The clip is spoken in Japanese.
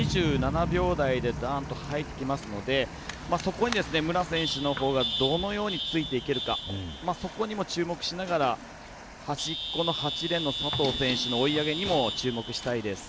２７秒台で入ってきますのでそこに武良選手のほうがどのようについていけるかそこにも注目しながら端っこの８レーンの佐藤選手の追い上げにも注目したいです。